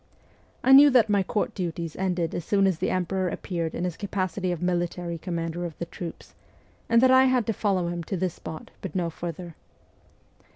I knew that my Court duties ended as soon as the emperor appeared in his capa city of military commander of the troops, and that I had to follow him to this spot, but no further.